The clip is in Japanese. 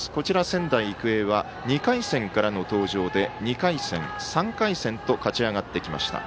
仙台育英は２回戦からの登場で２回戦、３回戦と勝ち上がってきました。